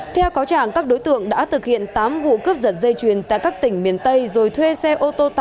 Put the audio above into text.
theo cáo trạng các đối tượng đã thực hiện tám vụ cướp giật dây chuyền tại các tỉnh miền tây rồi thuê xe ô tô tải trở về tp hcm